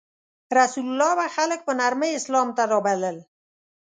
رسول الله به خلک په نرمۍ اسلام ته رابلل.